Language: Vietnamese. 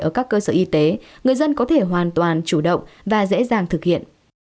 ở các cơ sở y tế người dân có thể hoàn toàn chủ động và dễ dàng thực hiện